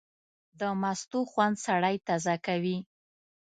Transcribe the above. د مستو خوند سړی تازه کوي.